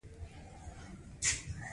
هغه د کار وخت څلور ساعته نور هم زیاتوي